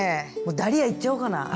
ダリアいっちゃおうかな。